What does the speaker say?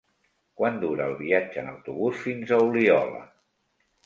Quant dura el viatge en autobús fins a Oliola?